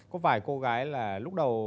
có vài cô gái là lúc đầu